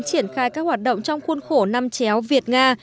triển khai các hoạt động trong khuôn khổ năm chéo việt nga